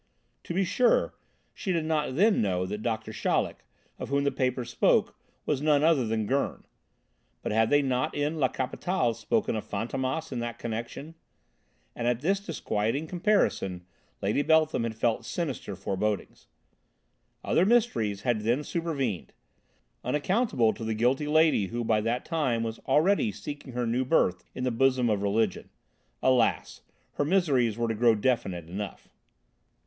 To be sure she did not then know that Doctor Chaleck, of whom the papers spoke, was none other than Gurn, but had they not in La Capitale spoken of Fantômas in that connection? And at this disquieting comparison Lady Beltham had felt sinister forebodings. Other mysteries had then supervened, unaccountable to the guilty lady who by that time was already seeking her new birth in the bosom of Religion. Alas! her miseries were to grow definite enough.